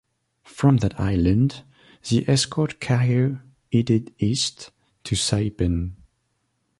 From that island, the escort carrier headed east, to Saipan.